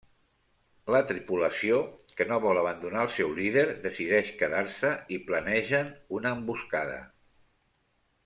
La tripulació, que no vol abandonar al seu líder, decideix quedar-se i planegen una emboscada.